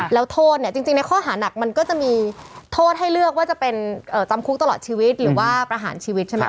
แล้วโทษเนี่ยจริงในข้อหานักมันก็จะมีโทษให้เลือกว่าจะเป็นจำคุกตลอดชีวิตหรือว่าประหารชีวิตใช่ไหมครับ